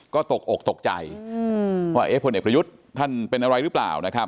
ก็ตบตกใจว่าเอเรยุทท่านเป็นอะไรรึเปล่านะครับ